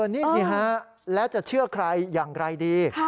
นี่สิฮะแล้วจะเชื่อใครอย่างไรดี